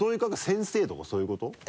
先生とかそういうこと？